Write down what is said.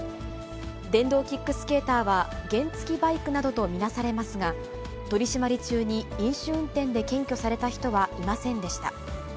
電動キックスケーターは原付きバイクなどと見なされますが、取締り中に飲酒運転で検挙された人はいませんでした。